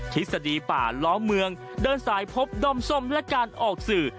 ทฤษฎีป่าล้อเมืองเดินสายพบด้อมส้มและการออกสื่อ